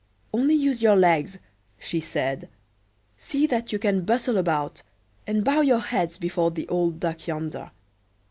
"Only use your legs," she said. "See that you can bustle about, and bow your heads before the old Duck yonder.